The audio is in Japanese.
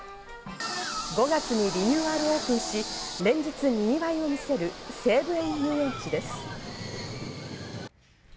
５月にリニューアルオープンし連日にぎわいを見せる西武園ゆうえんちです。